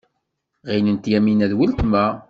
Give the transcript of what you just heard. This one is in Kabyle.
Ɣilent Yamina d weltma.